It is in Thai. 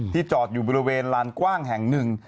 จอดอยู่บริเวณลานกว้างแห่งหนึ่ง